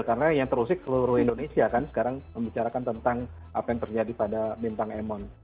karena yang terusik seluruh indonesia kan sekarang membicarakan tentang apa yang terjadi pada bintang emon